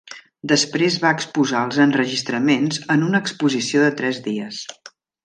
Després va exposar els enregistraments en una exposició de tres dies.